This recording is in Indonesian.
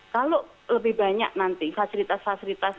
kalau lebih banyak nanti fasilitas fasilitas